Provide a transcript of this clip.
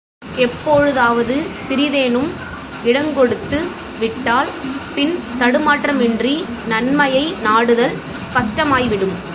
எப்பொழுதாவது சிறிதேனும் இடங்கொடுத்து விட்டால் பின் தடுமாற்றமின்றி நன்மையை நாடுதல் கஷ்டமாய்விடும்.